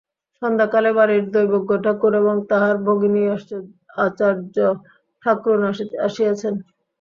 সন্ধ্যাকালে বাড়ির দৈবজ্ঞ-ঠাকুর এবং তাঁহার ভগিনী আচার্য-ঠাকরুন আসিয়াছেন।